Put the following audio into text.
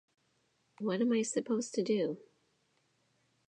What am I supposed to do?